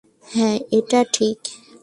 হা, এটা ঠিক।